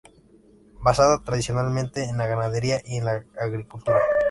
Basada tradicionalmente en la ganadería y en la agricultura.